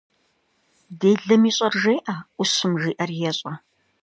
Делэм ищӏэр жеӏэ, ӏущым жиӏэр ещӏэ.